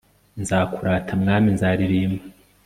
nzakurata mwami, nzaririmba